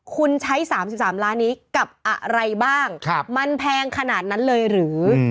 คุณใช้๓๓ล้านนี้กับอะไรบ้างมันแพงขนาดนั้นเลยหรือ